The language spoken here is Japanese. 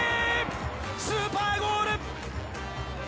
スーパーゴール！